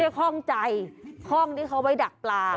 ไม่ใช่ค้องใจค้องที่เค้าให้ดับปลา